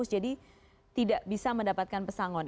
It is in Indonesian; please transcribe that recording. jadi tidak bisa mendapatkan pesangon